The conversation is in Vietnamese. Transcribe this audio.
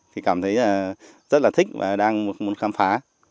thì cảm thấy là rất là thích và đang muốn khám phá